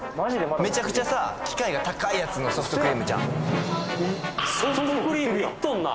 めちゃくちゃさ機械が高いやつのソフトクリームちゃうん？